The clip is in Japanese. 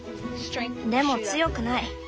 でも強くない。